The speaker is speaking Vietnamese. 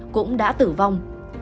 cũng đã tử vong